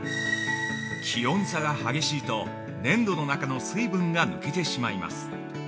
◆気温差が激しいと粘土の中の水分が抜けてしまいます。